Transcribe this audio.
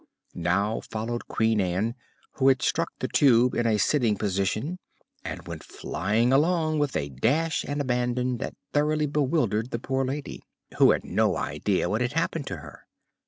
Now followed Queen Ann, who had struck the Tube in a sitting position and went flying along with a dash and abandon that thoroughly bewildered the poor lady, who had no idea what had happened to her.